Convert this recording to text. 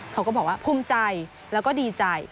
เขาก็บอกว่าภูมิใจแล้วก็ดีใจ